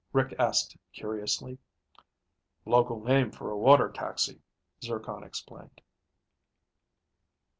Rick asked curiously. "Local name for a water taxi," Zircon explained.